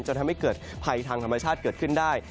ทำให้เกิดภัยทางธรรมชาติเกิดขึ้นได้